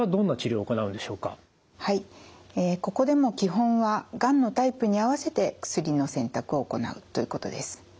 ここでも基本はがんのタイプに合わせて薬の選択を行うということです。